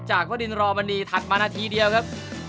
จากพระดินรมณีถัดมานาทีเดียวครับ